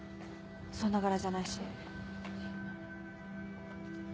そんな柄じゃないし。